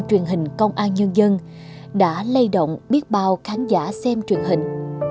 truyền hình công an nhân dân đã lay động biết bao khán giả xem truyền hình